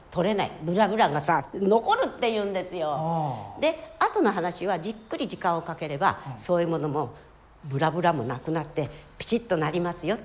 で後の話はじっくり時間をかければそういうものもブラブラもなくなってピチッとなりますよって。